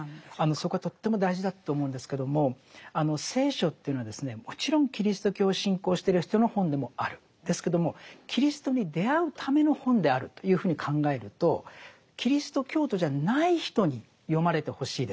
そこはとっても大事だと思うんですけども聖書というのはですねもちろんキリスト教を信仰してる人の本でもあるんですけどもキリストに出会うための本であるというふうに考えるとキリスト教徒じゃない人に読まれてほしいですね